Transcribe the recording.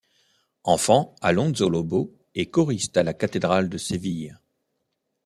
Enfant, Alonso Lobo est choriste à la cathédrale de Séville.